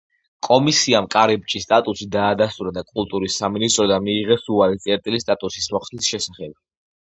კომისიამ კარიბჭის სტატუსი დაადასტურა და კულტურის სამინისტროდან მიიღეს უარის წერილი სტატუსის მოხსნის შესახებ.